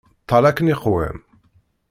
Ṭṭal akken iqwem!